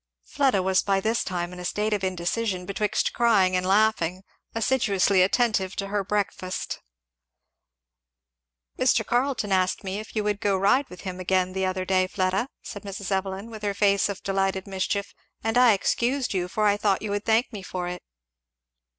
Fleda was by this time in a state of indecision betwixt crying and laughing, assiduously attentive to her breakfast. "Mr. Carleton asked me if you would go to ride with him again the other day, Fleda," said Mrs. Evelyn, with her face of delighted mischief, "and I excused you; for I thought you would thank me for it."